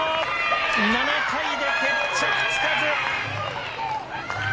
７回で決着つかず。